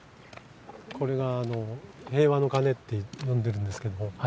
これがあの「平和の鐘」って呼んでるんですけども。